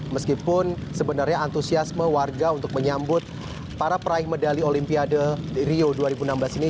meskipun sebenarnya antusiasme warga untuk menyambut para peraih medali olimpiade rio dua ribu enam belas ini